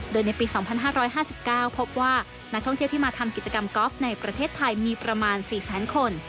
โดยในปี๒๕๕๙พบว่านักท่องเที่ยวที่มาทำกิจกรรมกอล์ฟในประเทศไทยมีประมาณ๔แสนคน